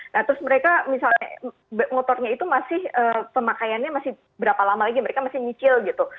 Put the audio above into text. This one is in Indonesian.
nah terus mereka misalnya motornya itu masih pemakaiannya masih berapa lama lagi mereka masih nyicil gitu